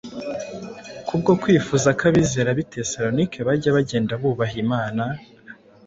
Kubwo kwifuza ko abizera b’i Tesalonike bajya bagenda bubaha Imana,